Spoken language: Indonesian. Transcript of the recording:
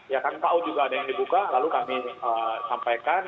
ya kan ko juga ada yang dibuka lalu kami sampaikan